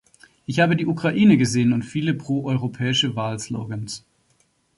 Ich habe die Ukraine gesehen und viele proeuropäische Wahlslogans.